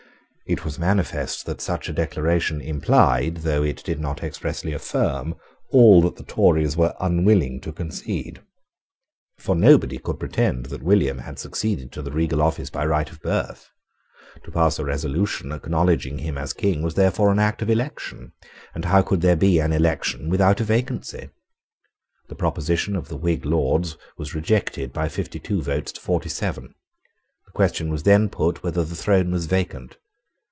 It was manifest that such a declaration implied, though it did not expressly affirm, all that the Tories were unwilling to concede. For nobody could pretend that William had succeeded to the regal office by right of birth. To pass a resolution acknowledging him as King was therefore an act of election; and how could there be an election without a vacancy? The proposition of the Whig Lords was rejected by fifty two votes to forty seven. The question was then put whether the throne was vacant.